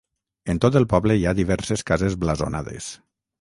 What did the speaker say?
En tot el poble hi ha diverses cases blasonades.